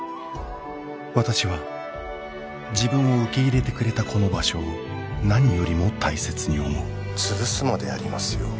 私は自分を受け入れてくれたこの場所を何よりも大切に思う潰すまでやりますよ